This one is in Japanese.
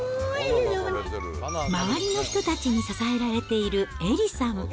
周りの人たちに支えられているエリさん。